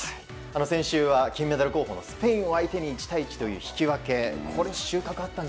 先週は金メダル候補のスペインを相手に１対１で引き分けでした。